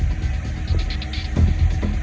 เพราะว่าเมืองนี้จะเป็นที่สุดท้าย